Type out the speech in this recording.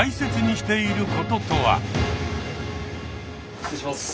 失礼します。